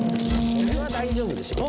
これは大丈夫でしょう。